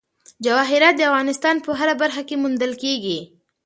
جواهرات د افغانستان په هره برخه کې موندل کېږي.